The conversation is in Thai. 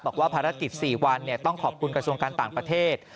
บอกว่าภารกิจ๔วันต้องขอบคุณกระทรวงการต่างประเทศ